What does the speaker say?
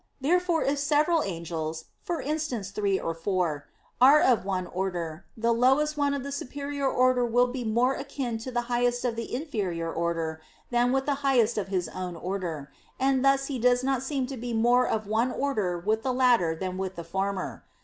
Therefore, if several angels (for instance, three or four), are of one order, the lowest one of the superior order will be more akin to the highest of the inferior order than with the highest of his own order; and thus he does not seem to be more of one order with the latter than with the former.